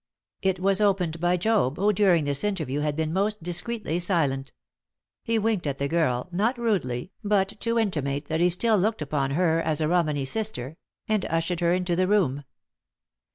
It was opened by Job, who, during this interview, had been most discreetly silent. He winked at the girl not rudely, but to intimate that he still looked upon her as a Romany sister and ushered her into the room.